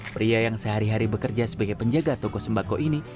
pria yang sehari hari bekerja sebagai penjaga toko sembako ini